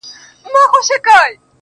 زما کار نسته بُتکده کي؛ تر کعبې پوري.